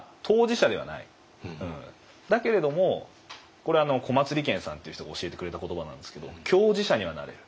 だけれどもこれ小松理虔さんって人が教えてくれた言葉なんですけど「共事者」にはなれる。